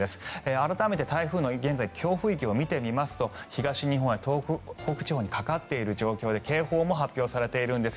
改めて台風の強風域を見てみますと東日本や東北地方にかかっている状況で警報も発表されているんです。